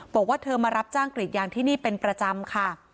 บอกว่าเธอมารับจ้างกรีดยางที่นี่เป็นประจำค่ะ